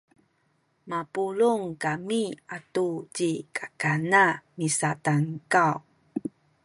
mapulung kami atu ci kakana misatankaw